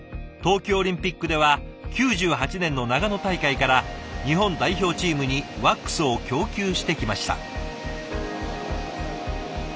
冬季オリンピックでは９８年の長野大会から日本代表チームにワックスを供給してきました。